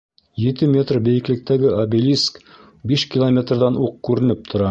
Ете метр бейеклектәге обелиск биш километрҙан уҡ күренеп тора.